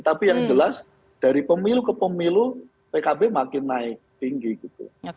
tapi yang jelas dari pemilu ke pemilu pkb makin naik tinggi gitu